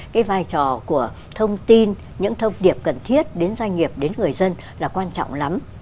cái vai trò của thông tin những thông điệp cần thiết đến doanh nghiệp đến người dân là quan trọng lắm